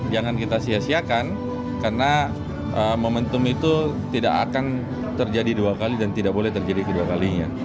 jangan kita sia siakan karena momentum itu tidak akan terjadi dua kali dan tidak boleh terjadi kedua kalinya